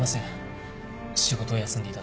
仕事を休んでいただいて。